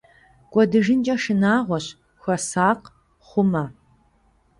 КӀуэдыжынкӀэ шынагъуэщ, хуэсакъ, хъумэ!